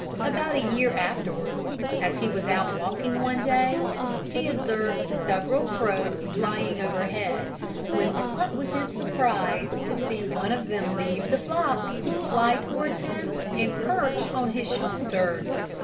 About a year afterwards, as he was out walking one day, he observed several crows flying overhead; when what was his surprise to see one of them leave the flock, fly towards him, and perch on his shoulder!